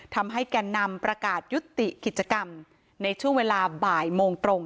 แก่นนำประกาศยุติกิจกรรมในช่วงเวลาบ่ายโมงตรง